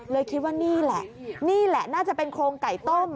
คิดว่านี่แหละนี่แหละน่าจะเป็นโครงไก่ต้ม